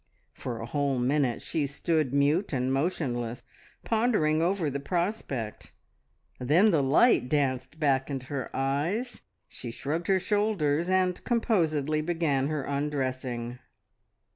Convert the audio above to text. For a whole, minute she stood mute and motionless, pondering over the prospect; then the light danced back into her eyes, she shrugged her shoulders, and composedly began her undressing.